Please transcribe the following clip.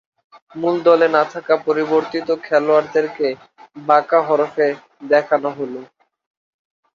মূল দলে না থাকা পরিবর্তিত খেলোয়াড়দেরকে বাঁকা হরফে দেখানো হল।